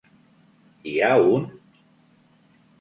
Hi ha un?